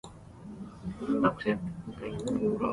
The latest disdrometers employ microwave or laser technologies.